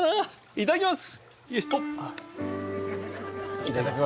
いただきます。